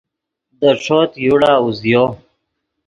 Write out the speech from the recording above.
دے ݯوت یوڑا اوزیو